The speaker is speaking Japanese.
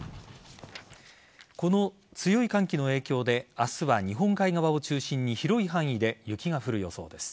この強い寒気の影響で明日は日本海側を中心に広い範囲で雪が降る予想です。